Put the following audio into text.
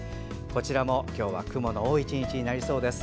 こちらも今日は雲の多い１日になりそうです。